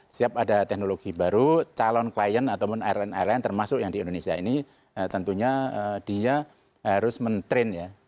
setiap ada teknologi baru calon klien ataupun airline airline termasuk yang di indonesia ini tentunya dia harus men train ya